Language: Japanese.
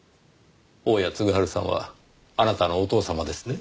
大屋嗣治さんはあなたのお父様ですね？